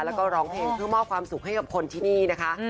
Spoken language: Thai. แล้วก็ร้องเพลงเพื่อมอบความสุขให้กับคนที่นี่นะคะ